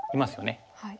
はい。